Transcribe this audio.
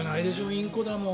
インコだもん。